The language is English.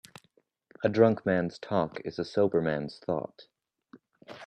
A drunk man's talk is a sober man's thought.